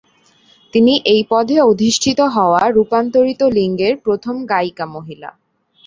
তিনি এই পদে অধিষ্ঠিত হওয়া রূপান্তরিত লিঙ্গের প্ৰথম গায়িকা মহিলা।